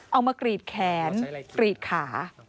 เอามากรีดแขนกรีดขา